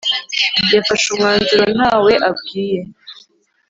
Yafashe umwanzuro ntawe abwiye